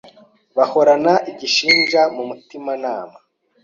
Bahorana igishinja mu mutimanama,